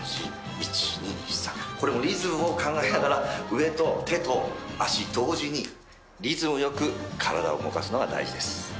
これもリズムを考えながら上と手と足同時にリズム良く体を動かすのが大事です。